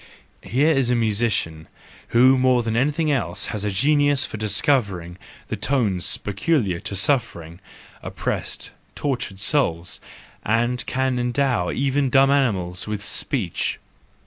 Here is a musician, who, more than any one else, has the genius for THE JOYFUL WISDOM, II 123 discovering the tones peculiar to suffering, oppressed, tortured souls, and who can endow even dumb animals with speech.